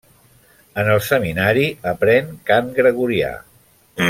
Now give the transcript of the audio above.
En el seminari aprèn cant gregorià.